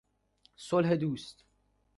صلح دوست